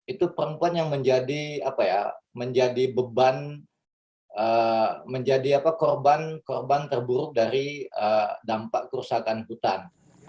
itu perempuan yang menjadi apa ya menjadi beban menjadi apa korban korban terburuk dari dampak kerusakan hutan